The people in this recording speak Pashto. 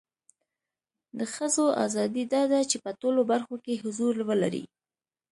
د خځو اذادی دا ده چې په ټولو برخو کې حضور ولري